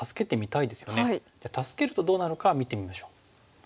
じゃあ助けるとどうなのか見てみましょう。